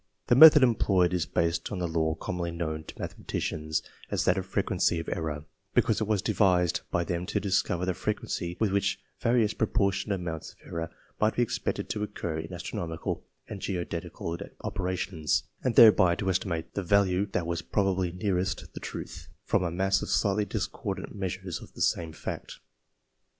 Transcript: The method employed is based on the law commonly known to mathematicians as that of " frequency of error," because it was devised by them to discover the frequency with which various proportionate amounts of error might be expected to occur in astronomical and geodetical opera tions, and thereby to estimate the value that was probably nearest the truth, from a mass of slightly discordant measures of the same fact.